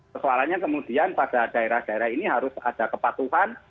persoalannya kemudian pada daerah daerah ini harus ada kepatuhan